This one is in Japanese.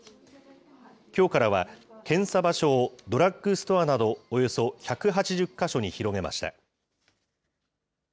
きょうからは、検査場所をドラッグストアなど、およそ１８０か所に広げました。